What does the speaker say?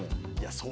そう！